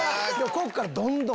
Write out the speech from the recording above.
こっからどんどん。